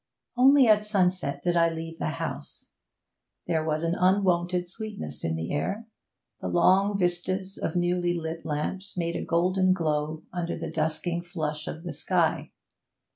Only at sunset did I leave the house. There was an unwonted sweetness in the air; the long vistas of newly lit lamps made a golden glow under the dusking flush of the sky.